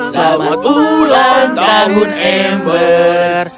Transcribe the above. selamat ulang tahun amber